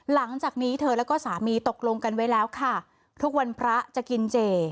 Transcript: หลังจากนี้เธอแล้วก็สามีตกลงกันไว้แล้วค่ะทุกวันพระจะกินเจ